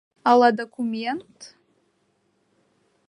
Ала документ?